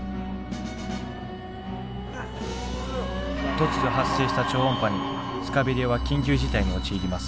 突如発生した「超音波」にスカベリアは緊急事態に陥ります。